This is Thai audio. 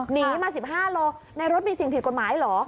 หนีมา๑๕โลในรถมีสิ่งผิดกฎหมายเหรอ